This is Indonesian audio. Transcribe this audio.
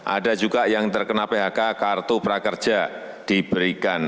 ada juga yang terkena phk kartu prakerja diberikan